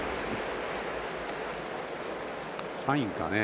サインかね。